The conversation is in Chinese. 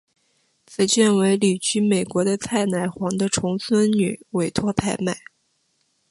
此卷为旅居美国的蔡乃煌的重孙女委托拍卖。